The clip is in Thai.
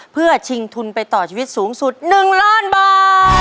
เพื่อชิงทุนไปต่อชีวิตสูงสุด๑ล้านบาท